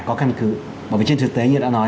có căn cứ bởi vì trên thực tế như đã nói